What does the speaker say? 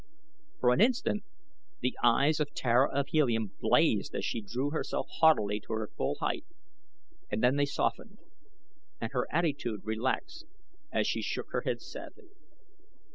For an instant the eyes of Tara of Helium blazed as she drew herself haughtily to her full height, and then they softened and her attitude relaxed as she shook her head sadly.